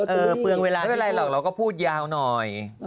เออเปลืองเวลาที่พิมพ์ไม่เป็นไรหรอกเราก็พูดยาวหน่อย